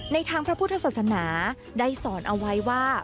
ทางพระพุทธศาสนาได้สอนเอาไว้ว่า